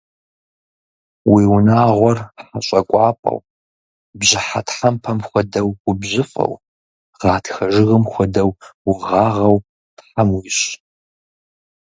Уи унагъуэр хьэщӏэ кӏуапӏэу, бжьыхьэ тхьэмпэм хуэдэу убжьыфӏэу, гъатхэ жыгым хуэдэу угъагъэу Тхьэм уищӏ!